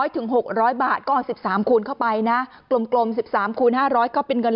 ถึง๖๐๐บาทก็๑๓คูณเข้าไปนะกลม๑๓คูณ๕๐๐ก็เป็นเงิน